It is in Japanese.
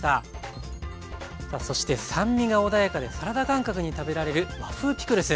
さあそして酸味が穏やかでサラダ感覚に食べられる和風ピクルス。